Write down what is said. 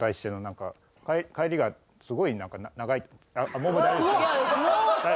もう大丈夫です。